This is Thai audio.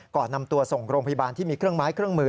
ก่อนนำตัวส่งโรงพยาบาลที่มีเครื่องไม้เครื่องมือ